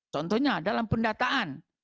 contohnya dalam pendataan